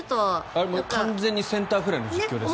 あれも完全にセンターフライの実況ですよ。